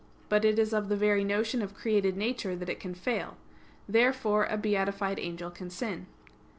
But it is of the very notion of created nature, that it can fail. Therefore a beatified angel can sin.